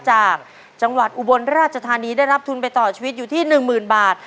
จากจังหวัดอุบลราชธานีได้รับทุนไปต่อชีวิตอยู่ที่๑๐๐๐บาท